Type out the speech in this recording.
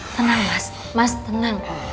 tenang mas mas tenang